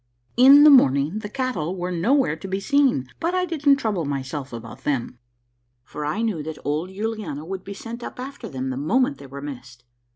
In the morning the cattle were nowhere to be seen, but I didn't trouble myself about them, for I knew that old Yuliana would be sent up after them the moment they were missed.